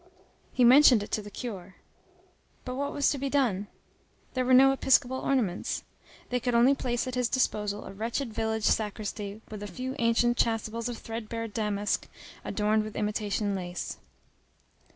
He mentioned it to the curé. But what was to be done? There were no episcopal ornaments. They could only place at his disposal a wretched village sacristy, with a few ancient chasubles of threadbare damask adorned with imitation lace.